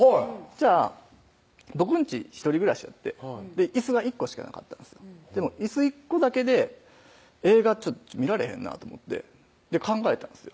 じゃあ僕んち一人暮らしやっていすが１個しかなかったんですよでもいす１個だけで映画見られへんなと思って考えたんですよ